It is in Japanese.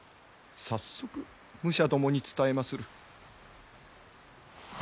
早速武者どもに伝えまする。